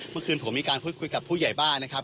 เมื่อคืนผมมีการพูดคุยกับผู้ใหญ่บ้านนะครับ